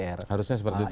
harusnya seperti itu